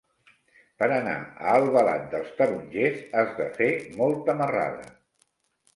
Per anar a Albalat dels Tarongers has de fer molta marrada.